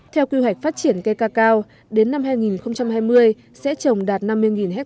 theo quy hoạch phát triển cây cacao đến năm hai nghìn hai mươi sẽ trồng đạt năm mươi ha